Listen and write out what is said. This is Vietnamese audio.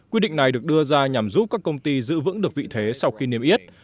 quy định này được đưa ra nhằm giúp các công ty giữ vững được vị thế sau khi niềm yết